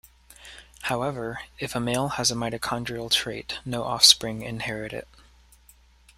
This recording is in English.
However, if a male has a mitochondrial trait, no offspring inherit it.